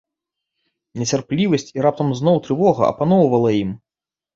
Нецярплівасць і раптам зноў трывога апаноўвала ім.